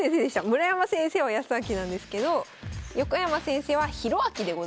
村山先生はやすあきなんですけど横山先生はひろあきでございます。